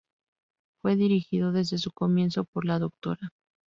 Fue dirigido desde su comienzos por la Dra.